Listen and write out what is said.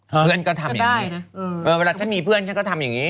เพื่อนก็ทำอย่างนี้นะเวลาฉันมีเพื่อนฉันก็ทำอย่างนี้